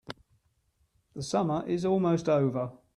The summer is almost over.